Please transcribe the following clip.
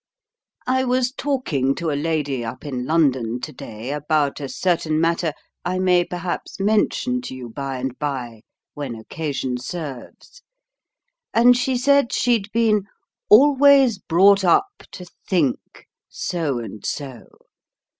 I was talking to a lady up in London to day about a certain matter I may perhaps mention to you by and by when occasion serves, and she said she'd been 'always brought up to think' so and so.